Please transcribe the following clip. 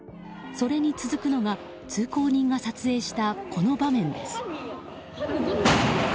それに続くのが通行人が撮影した、この場面です。